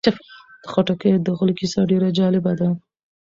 د خټکیو د غله کیسه ډېره جالبه ده.